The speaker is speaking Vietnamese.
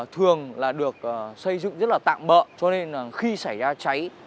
thường là được xây dựng rất là tạm bỡ cho nên khi xảy ra cháy